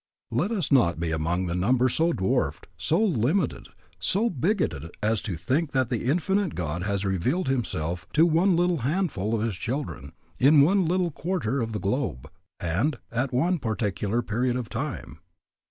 Let us not be among the number so dwarfed, so limited, so bigoted as to think that the Infinite God has revealed Himself to one little handful of His children, in one little quarter of the globe, and at one particular period of time.